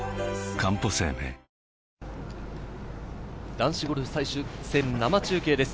男子ゴルフ最終戦、生中継です。